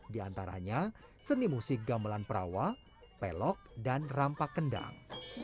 di antaranya seni musik gamelan perawa pelok dan rampak kendang